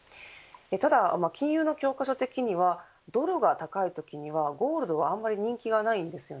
ただ、金融の教科書的にはドルが高いときにはゴールドはあんまり人気がないんです。